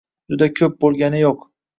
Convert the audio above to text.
Juda ko‘p bo‘lgani yo‘q